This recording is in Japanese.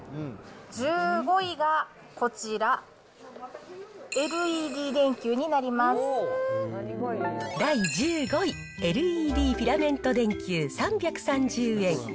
１５位が、こちら、ＬＥＤ電球に第１５位、ＬＥＤフィラメント電球３３０円。